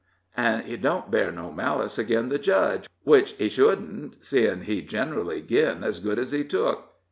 "An' he don't bear no malice agin the Judge, which he shouldn't, seein' he generally gin as good as he took.